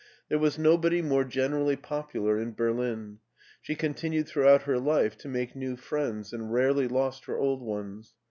There was nobody more gen erally popular in Berlin ; she continued throughout her life to make new friends and rarely lost her old ones.